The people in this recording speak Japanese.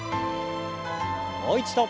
もう一度。